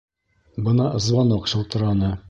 Бына звонок шылтыраны.